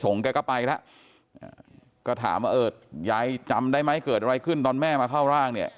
แกก็ไปแล้วก็ถามว่าเออยายจำได้ไหมเกิดอะไรขึ้นตอนแม่มาเข้าร่างเนี่ย